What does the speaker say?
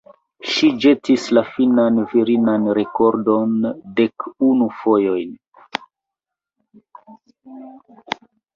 Ŝi ĵetis la finnan virinan rekordon dek unu fojojn.